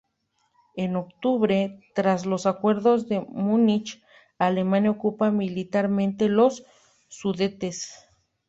En octubre, tras los Acuerdos de Múnich, Alemania ocupa militarmente los Sudetes.